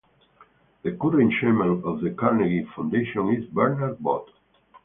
The current chairman of the Carnegie Foundation is Bernard Bot.